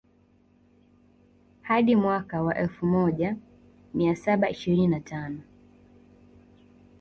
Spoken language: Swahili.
Hadi mwaka wa elfu moja mia saba ishirini na tano